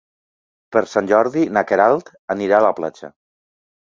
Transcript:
Per Sant Jordi na Queralt anirà a la platja.